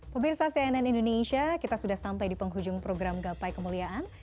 pemirsa jangan kemana mana gapai kemuliaan